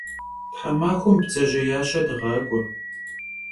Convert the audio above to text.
Themaxuem bdzejêyaşe dığak'ue.